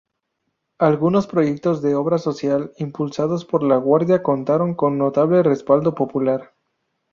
Algunos proyectos de obra social impulsados por la Guardia contaron con notable respaldo popular.